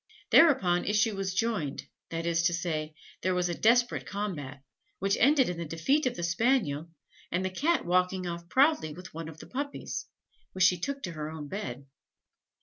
Thereupon issue was joined that is to say, there was a desperate combat, which ended in the defeat of the Spaniel, and in the Cat walking off proudly with one of the puppies, which she took to her own bed.